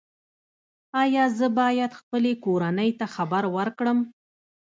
ایا زه باید خپلې کورنۍ ته خبر ورکړم؟